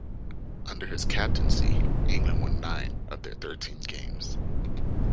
Under his captaincy England won nine of their thirteen games.